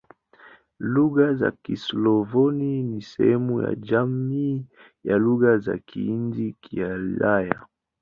Lugha za Kislavoni ni sehemu ya jamii ya Lugha za Kihindi-Kiulaya.